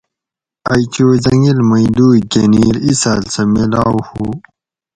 ائی چو زنگِل مئی دُوئی گۤھنیر اِساۤل سہ میلاؤ ہُو